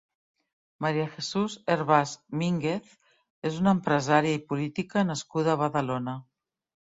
María Jesús Hervás Mínguez és una empresària i política nascuda a Badalona.